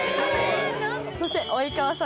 そして及川さん